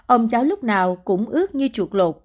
ông cháu lúc nào cũng ướt như chuột lột